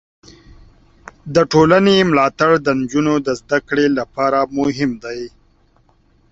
د ټولنې ملاتړ د نجونو د زده کړې لپاره مهم دی.